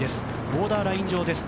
ボーダーライン上です。